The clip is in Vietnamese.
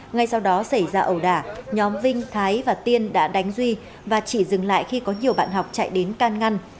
ngay sau đó xảy ra ẩu đả nhóm vinh thái và tiên đã đánh duy và chỉ dừng lại khi có nhiều bạn học chạy đến can ngăn